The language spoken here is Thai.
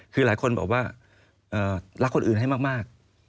คือหลายคนบอกว่ารักคนอื่นให้มาก